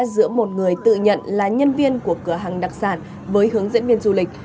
giữa một người tự nhận là nhân viên của cửa hàng đặc sản với hướng dẫn viên du lịch